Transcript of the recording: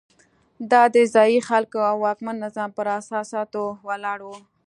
دا د ځايي خلکو او واکمن نظام پر اساساتو ولاړ وو.